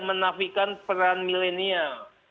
menafikan peran milenial